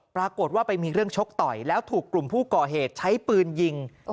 ปรากฏว่าไปมีเรื่องชกต่อยแล้วถูกกลุ่มผู้ก่อเหตุใช้ปืนยิง